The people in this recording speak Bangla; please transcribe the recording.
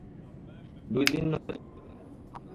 দুইদিন নজরদারি, তারপর হামলা।